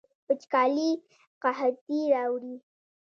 وچکالي قحطي راوړي